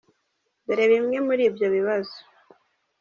Dore bimwe muri ibyo bibazo :.